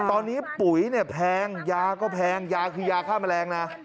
ตอนนี้ปุ๋ยเนี่ยแพงยาก็แพงยาคือยาฆ่าแมลงนะ